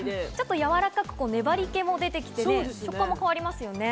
やわらかく粘り気も出てきて、食感も変わりますよね。